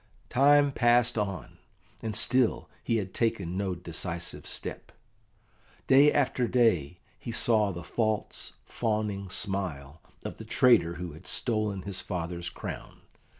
Time passed on, and still he had taken no decisive step. Day after day he saw the false, fawning smile of the traitor who had stolen his father's crown.